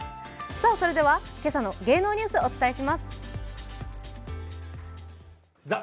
それでは今朝の芸能ニュース、お伝えします。